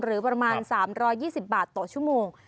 หรือประมาณ๓๒๐บาทต่อชั่วโมง